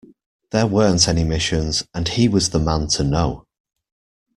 There weren't any missions, and he was the man to know.